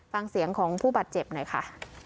ฟังเสียงของผู้บาดเจ็บหน่อยค่ะ